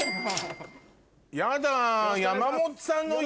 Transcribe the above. やだ。